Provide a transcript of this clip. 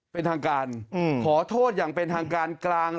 เป็นทางการขอโทษอย่างเป็นทางการกลาง